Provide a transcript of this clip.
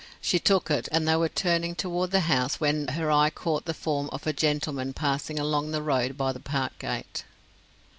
She took it, and they were turning toward the house, when her eye caught the form of a gentleman passing along the road by the park gate.